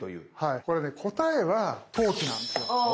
これね答えは投機なんですよ。